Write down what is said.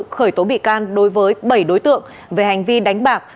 khởi tố bị can đối với bảy đối tượng về hành vi đánh bạc